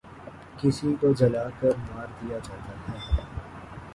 کسی کو جلا کر مار دیا جاتا ہے